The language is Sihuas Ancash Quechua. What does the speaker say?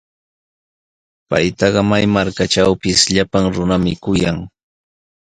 Paytaqa may markatrawpis llapan runami kuyan.